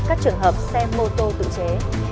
các trường hợp xe mô tô tự chế